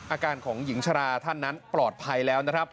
อาการของหญิงชราท่านนั้นปลอดภัยแล้วนะครับ